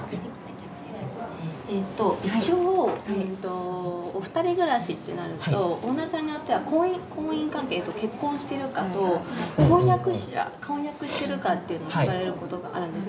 えと一応お二人暮らしってなるとオーナーさんによっては婚姻関係結婚してるかと婚約者婚約してるかっていうのを聞かれることがあるんですね。